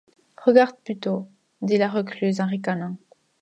Regarde plutôt! dit la recluse en ricanant.